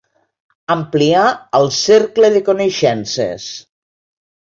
Ampliar el cercle de coneixences.